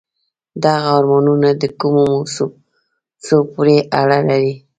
دغه آرمانون د کومو موسسو پورې اړه لري؟